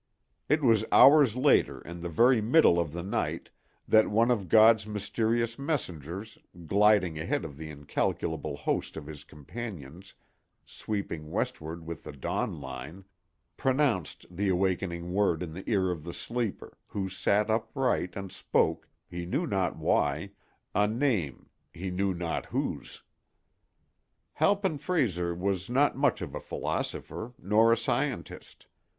It was hours later, in the very middle of the night, that one of God's mysterious messengers, gliding ahead of the incalculable host of his companions sweeping westward with the dawn line, pronounced the awakening word in the ear of the sleeper, who sat upright and spoke, he knew not why, a name, he knew not whose. Halpin Frayser was not much of a philosopher, nor a scientist.